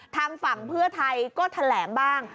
ทางฝั่งเพื่อไทยก็แถลงบ้าง